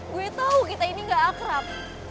gue tau kita ini gak akrab